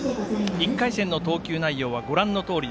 １回戦の投球内容はご覧のとおり。